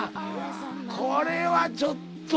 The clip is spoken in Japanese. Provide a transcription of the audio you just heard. これはちょっと。